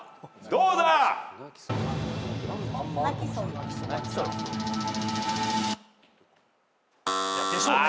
どうだ？でしょうね。